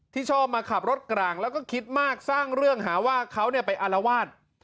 ที่ชอบมาขับรถกลางแล้วก็คิดมากสร้างเรื่องหาว่าเขาไปอารวาส